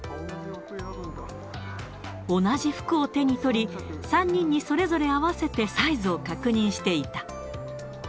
同じ服を手に取り、３人にそれぞれ合わせて、サイズを確認していた。